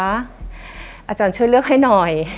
อาจารย์ช่วยเลือกให้หน่อย